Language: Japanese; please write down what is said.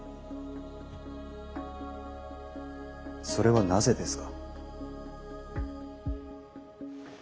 それはなぜですか？